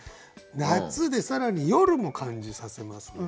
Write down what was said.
「夏」で更に「夜」も感じさせますね。